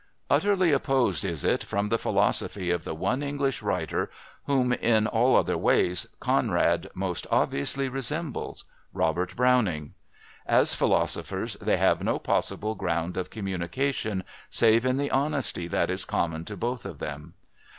Utterly opposed is it from the philosophy of the one English writer whom, in all other ways, Conrad most obviously resembles Robert Browning. As philosophers they have no possible ground of communication, save in the honesty that is common to both of them.